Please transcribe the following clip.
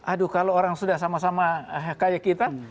aduh kalau orang sudah sama sama kayak kita